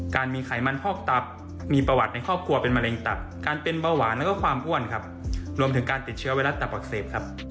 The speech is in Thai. การมีไขมันพอกตับมีประวัติในครอบครัวเป็นมะเร็งตับการเป็นเบาหวานแล้วก็ความอ้วนครับรวมถึงการติดเชื้อไวรัสตับอักเสบครับ